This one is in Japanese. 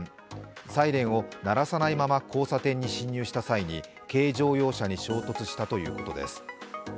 サイレンを鳴らさないまま交差点に進入した際に軽乗用車に衝突したということです。